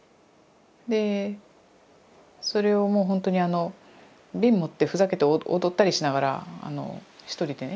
でそれをもうほんとに瓶持ってふざけて踊ったりしながら一人でね。